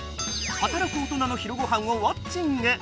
働く大人の昼ごはんをウォッチング！